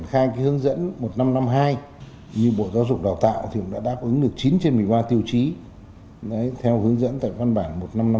bộ giáo dục và đào tạo đã đáp ứng được chín trên một mươi ba tiêu chí theo hướng dẫn tại văn bản một nghìn năm trăm năm mươi hai